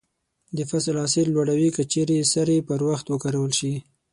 د فصل حاصل لوړوي که چیرې سرې په وخت وکارول شي.